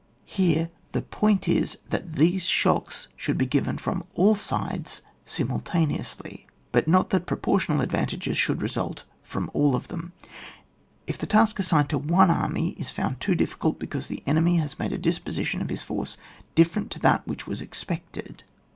Here the point is that these shocks should be given horn all sides simultaneously, but not that pro portional advantages should result from all of them. If the task assigned to one army is found too difficult because the enemj has made a disposition of his force dif* ferent to that which was expected, if it CHAP.